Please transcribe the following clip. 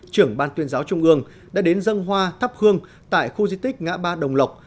trưởng ban tuyên giáo trung ương đã đến dân hoa thắp hương tại khu di tích ngã ba đồng lộc